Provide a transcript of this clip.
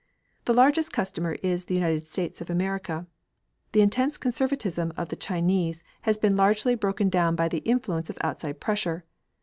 The largest customer is the United States of America. The intense conservatism of the Chinese has been largely broken down by the influence of outside pressure.